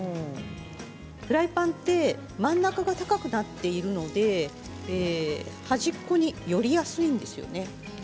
フライパンって真ん中が高くなっているので端っこに寄りやすいんです。